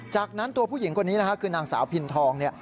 จากนั้นตัวผู้หญิงคนนี้คือนางสาวพินทอง